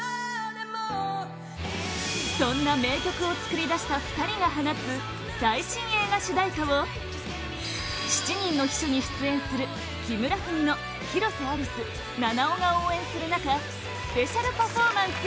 そんな名曲を作り出した２人が放つ最新映画主題歌を「七人の秘書」に出演する木村文乃、広瀬アリス菜々緒が応援する中スペシャルパフォーマンス！